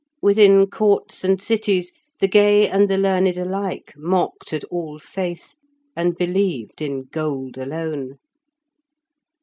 Within courts and cities the gay and the learned alike mocked at all faith, and believed in gold alone.